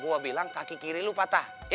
gua bilang kaki kiri lu patah ya